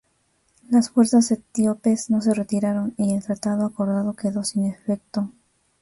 Las fuerzas etíopes no se retiraron, y el tratado acordado quedó sin efecto.